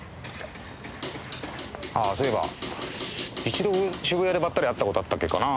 ああそういえば一度渋谷でばったり会った事あったっけかな。